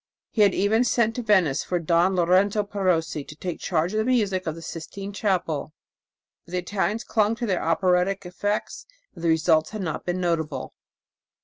He had even sent to Venice for Don Lorenzo Perosi to take charge of the music of the Sistine Chapel; but the Italians clung to their operatic effects, and the results had not been notable.